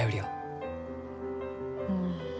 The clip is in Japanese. うん。